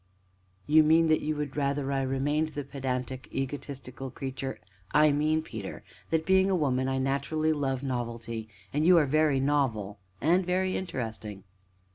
"You mean that you would rather I remained the pedantic, egotistical creature " "I mean, Peter, that, being a woman, I naturally love novelty, and you are very novel and very interesting."